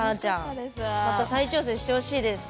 また再挑戦してほしいです。